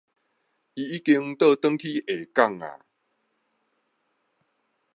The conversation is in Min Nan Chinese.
伊已經倒轉去下港矣